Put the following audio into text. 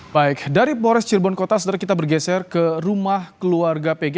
baik dari polres cirebon kota kita bergeser ke rumah keluarga pg